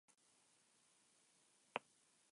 El impacto contra el suelo le provocó la muerte inmediata.